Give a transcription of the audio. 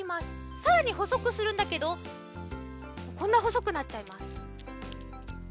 さらにほそくするんだけどこんなほそくなっちゃいます。